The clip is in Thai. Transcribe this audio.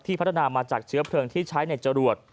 พัฒนามาจากเชื้อเพลิงที่ใช้ในจรวด